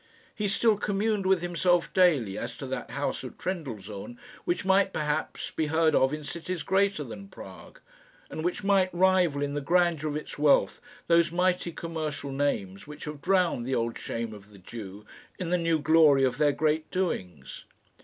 He still communed with himself daily as to that House of Trendellsohn which might, perhaps, be heard of in cities greater than Prague, and which might rival in the grandeur of its wealth those mighty commercial names which had drowned the old shame of the Jew in the new glory of their great doings.